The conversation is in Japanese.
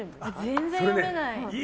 全然読めない。